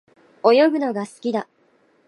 泳ぐのが好きだ。